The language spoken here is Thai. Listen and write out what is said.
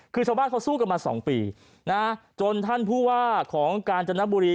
คือชาวบ้านเขาสู้กันมา๒ปีนะจนท่านผู้ว่าของกาญจนบุรี